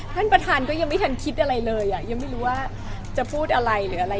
ท่านประธานก็ยังไม่ทันคิดอะไรเลยอ่ะยังไม่รู้ว่าจะพูดอะไรหรืออะไร